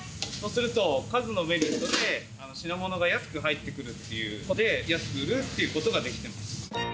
そうすると、数のメリットで、品物が安く入ってくるっていうので、安く売るっていうことができてます。